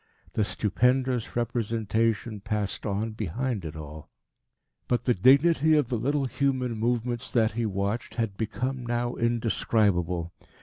The stupendous representation passed on behind it all. But the dignity of the little human movements that he watched had become now indescribable.